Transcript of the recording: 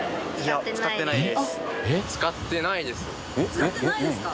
使ってないですか？